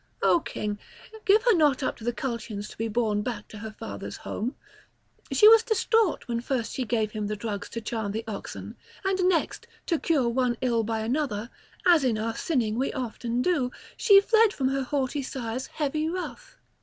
O king, give her not up to the Colchians to be borne back to her father's home. She was distraught when first she gave him the drugs to charm the oxen; and next, to cure one ill by another, as in our sinning we do often, she fled from her haughty sire's heavy wrath.